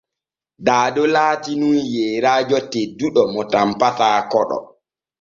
Daado laatinun yeyraajo tedduɗo mo tanpata koɗo.